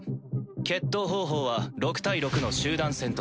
決闘方法は６対６の集団戦とする。